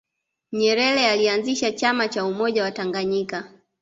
nyerere alianzisha chama cha umoja wa tanganyika